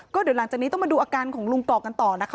ก็เดี๋ยวหลังจากนี้ต้องมาดูอาการของลุงกอกกันต่อนะคะ